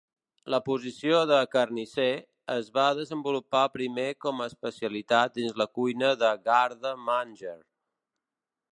La posició de "carnisser" es va desenvolupar primer com a especialitat dins la cuina de "garde manger".